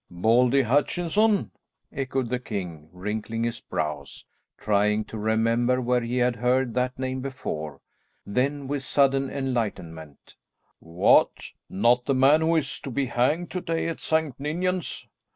"Baldy Hutchinson!" echoed the king, wrinkling his brows, trying to remember where he had heard that name before, then with sudden enlightenment, "What, not the man who is to be hanged to day at St. Ninians?"